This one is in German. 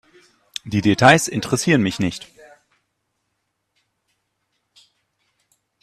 Die Details interessieren mich nicht.